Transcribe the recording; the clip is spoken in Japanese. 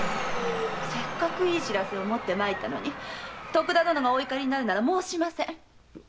せっかくいい知らせを持ってまいったのに徳田殿がお怒りになるなら申しません！